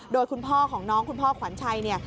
โดยคุณพ่อของน้องคุณพ่อขวัญชัยเนี่ย